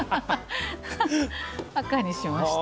赤にしました。